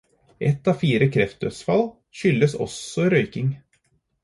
Ett av fire kreftdødsfall skyldtes også røyking.